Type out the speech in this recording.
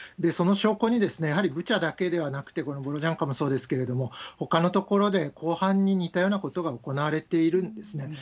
その証拠に、やはりブチャだけではなくて、このボロジャンカもそうですけれども、ほかの所で広範に似たようなことが行われているんですね。